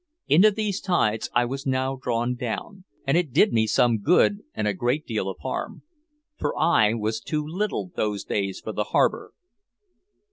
Into these tides I was now drawn down and it did me some good and a great deal of harm. For I was too little those days for the harbor.